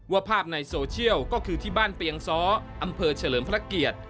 ว่าภาพในโซเชียลก็คือที่บ้านเปียงซ้ออำเภอเฉลิมพระเกียรติ